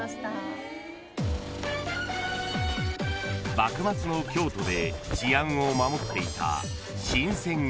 ［幕末の京都で治安を守っていた］